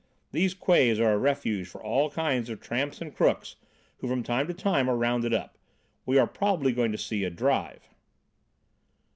These quays are a refuge for all kinds of tramps and crooks who from time to time are rounded up. We are probably going to see a 'drive.'"